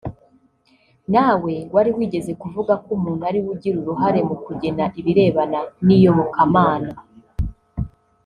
nawe wari wigeze kuvuga ko umuntu ariwe ugira uruhare mu kugena ibirebana n’iyobokamana